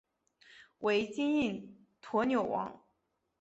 为金印驼纽王。